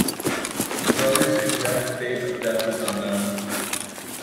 The brothers' exact date of death is unknown.